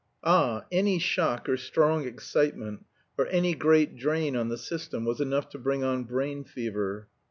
Ah, any shock or strong excitement, or any great drain on the system, was enough to bring on brain fever.